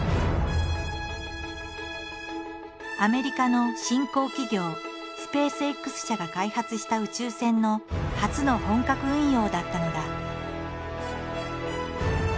アメリカの新興企業スペースＸ社が開発した宇宙船の初の本格運用だったのだ。